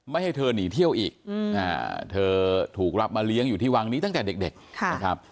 ให้เธอหนีเที่ยวอีกเธอถูกรับมาเลี้ยงอยู่ที่วังนี้ตั้งแต่เด็กนะครับ